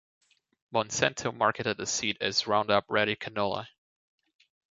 Monsanto marketed the seed as Roundup Ready Canola.